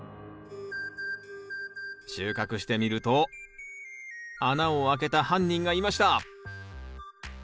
収穫してみると穴を開けた犯人がいました！